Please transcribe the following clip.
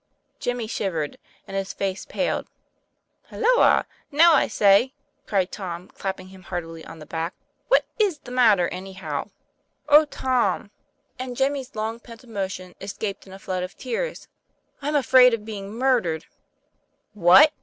Jimmy shivered, and his face paled. "Halloa! now, I say," cried Tom, clapping him heartily on the back; "what is the matter, any how ?" "Qh s Tom," and Jimmy's long pent emotions 204 TOM PLA YFAIR. escaped in a flood of tears, "I'm afraid of being murdered." " What